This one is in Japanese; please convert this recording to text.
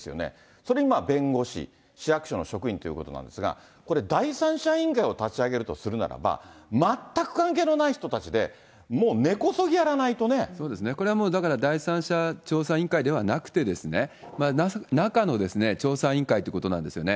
それに弁護士、市役所の職員ということなんですが、これ、第三者委員会を立ち上げるとするならば、全く関係のない人たちで、そうですね、これはもう第三者調査委員会ではなくてですね、中の調査委員会ということなんですよね。